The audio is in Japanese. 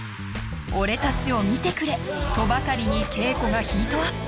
俺たちを見てくれ！とばかりに稽古がヒートアップ